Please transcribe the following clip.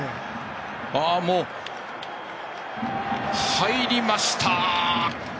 入りました！